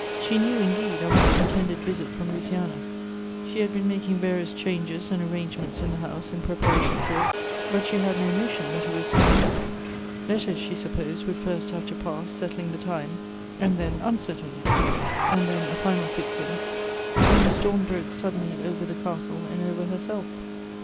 She knew, indeed, of an intended visit from Luciana. She had been making various changes and arrangements in the house in preparation for it; but she had no notion that it was so near. Letters, she supposed, would first have to pass, settling the time, and then un settling it ; and then a final fixing : when the storm broke suddenly over the castle and over herself.